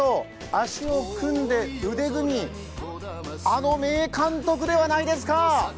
足を組んで腕組み、あの名監督ではないですか？